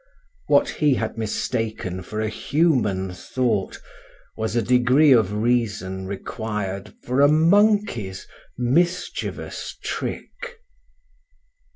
What he had mistaken for a human thought was a degree of reason required for a monkey's mischievous trick!